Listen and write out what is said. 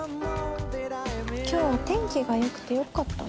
今日お天気がよくてよかった。